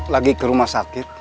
lagi ke rumah sakit